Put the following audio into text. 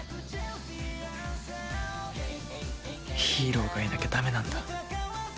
ヒーローがいなきゃダメなんだ。